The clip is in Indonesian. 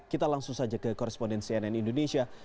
kita langsung saja ke korespondensi nn indonesia